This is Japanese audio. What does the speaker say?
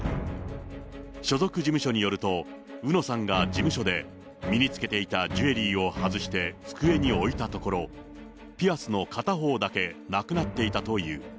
所属事務所によると、うのさんが事務所で身につけていたジュエリーを外して机に置いたところ、ピアスの片方だけなくなっていたという。